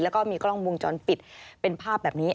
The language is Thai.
แล้วก็มีกล้องวงจรปิดเป็นภาพแบบนี้